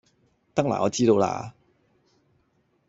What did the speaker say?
得喇我知道喇